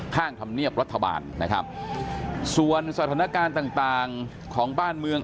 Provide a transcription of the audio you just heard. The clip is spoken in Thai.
ข้างธรรมเนียบรัฐบาลนะครับส่วนสถานการณ์ต่างต่างของบ้านเมือง